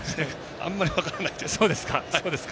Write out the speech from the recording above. あんまり分からないです。